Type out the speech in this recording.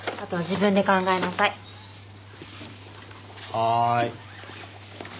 はい。